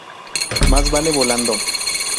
Más vale volando.